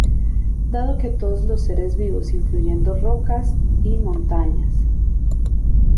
Dado que todos los seres vivos, incluyendo rocas y montañas.